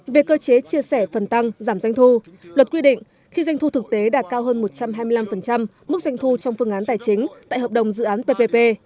về cơ chế chia sẻ phần tăng giảm doanh thu luật quy định khi doanh thu thực tế đạt cao hơn một trăm hai mươi năm mức doanh thu trong phương án tài chính tại hợp đồng dự án ppp